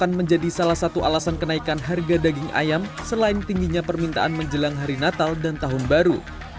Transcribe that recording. yang menjadi salah satu alasan kenaikan harga daging ayam selain tingginya permintaan menjelang hari natal dan tahun baru